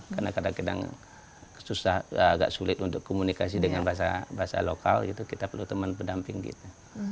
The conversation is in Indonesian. karena kadang kadang agak sulit untuk komunikasi dengan bahasa lokal kita perlu teman pendamping gitu